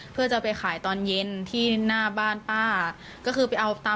เพื่อจะไปขายตอนเย็นที่หน้าบ้านป้า